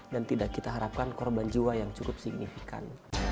dan tidak kita harapkan korban jiwa yang cukup signifikan